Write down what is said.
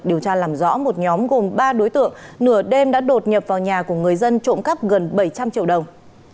điều tra làm rõ một nhóm gồm ba đối tượng nửa đêm đã đột nhập vào nhà của người dân trộm cắp gần bảy trăm linh triệu đồng